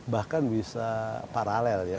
bahkan bisa paralel ya